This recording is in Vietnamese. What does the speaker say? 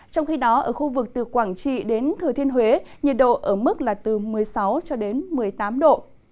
trong khi đó ở khu vực từ quảng trị đến thừa thiên huế nhiệt độ ở mức là từ một mươi sáu cho đến một mươi tám độ